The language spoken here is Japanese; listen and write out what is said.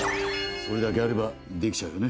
「それだけあればできちゃうよね